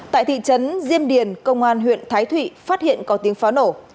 tại thị trấn diêm điền công an huyện thái thụy phát hiện có tiếng pháo nổ